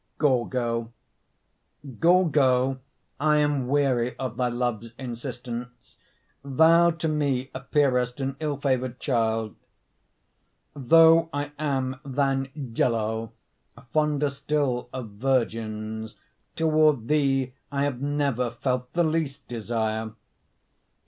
GORGO Gorgo, I am weary Of thy love's insistence, Thou to me appearest An ill favored child. Though I am than Gello Fonder still of virgins, Toward thee I have never Felt the least desire.